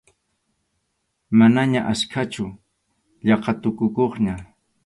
Manaña achkachu, yaqa tukukuqña.